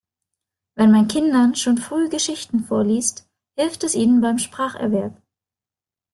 Wenn man Kindern schon früh Geschichten vorliest, hilft es ihnen beim Spracherwerb.